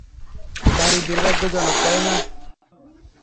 ভারি দুর্ভাগ্যজনক, তাই না?